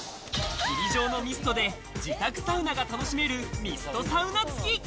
霧状のミストで自宅サウナが楽しめるミストサウナ付き。